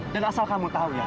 dan asal kamu tahu ya